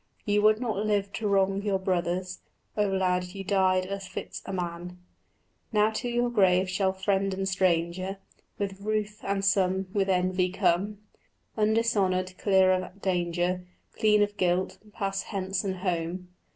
You would not live to wrong your brothers: Oh lad, you died as fits a man. Now to your grave shall friend and stranger With ruth and some with envy come: Undishonoured, clear of danger, Clean of guilt, pass hence and home.